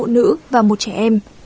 nữ và một trẻ em